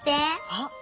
あっ！